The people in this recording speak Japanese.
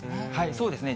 そうですね。